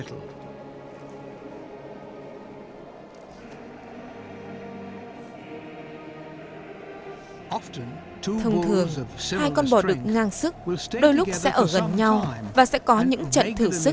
thông thường hai con bò đực ngang sức đôi lúc sẽ ở gần nhau và sẽ có những trận thử sức